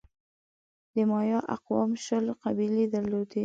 د مایا اقوامو شل قبیلې درلودې.